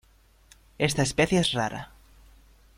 Esta especie es rara.